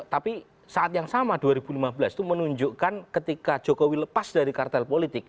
tapi saat yang sama dua ribu lima belas itu menunjukkan ketika jokowi lepas dari kartel politik